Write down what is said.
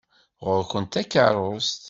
Ɣur-kent takeṛṛust!